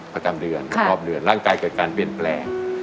ประจำเดือนรอบเดือนร่างกายเกิดการเปลี่ยนแปลง